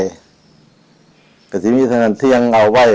พระเจ้าอย่างนั้นเรียกว่าเอาไว้